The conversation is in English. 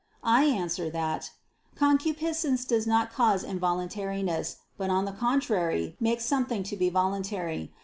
I answer that, Concupiscence does not cause involuntariness, but on the contrary makes something to be voluntary.